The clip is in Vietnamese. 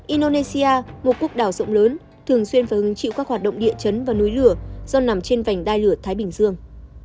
indonesia một quốc đảo rộng lớn thường xuyên phải hứng chịu các hoạt động địa chấn và núi lửa do nằm trên vành đai lửa thái bình dương